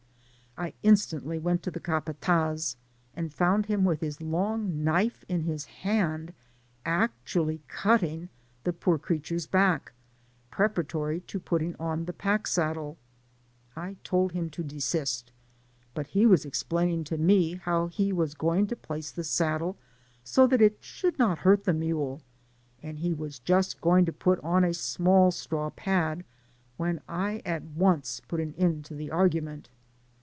I instantly went to the capatdz, and found him with his long knife in his hand, actually cutting the poor crea ture's back, preparatory to putting on the pack saddle. I told him to desist ; but he was explain ing to me how he was going to place the saddle, so Digitized byGoogk THE GREAT CORDILLERA. 147 that it should not hurt the mule, and he was just going to put on a small straw pad, when I at once put an end to the argument.